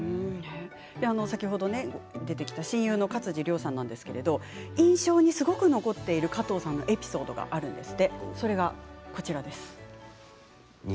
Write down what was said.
先ほど出てきた親友の勝地涼さんは印象にすごく残っている加藤さんのエピソードがあるそうです。